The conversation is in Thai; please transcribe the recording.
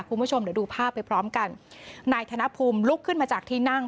คุณผู้ชมเดี๋ยวดูภาพไปพร้อมกันนายธนภูมิลุกขึ้นมาจากที่นั่ง